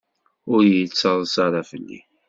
Ur yettaḍsa ara fell-i.